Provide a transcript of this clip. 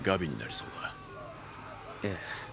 ええ。